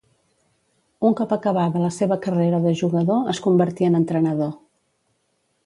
Un cop acabada la seva carrera de jugador es convertí en entrenador.